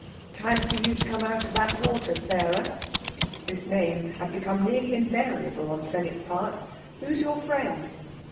"Time for you to come out of that water, Sarah." This name had become nearly invariable on Fenwick's part. "Who's your friend?"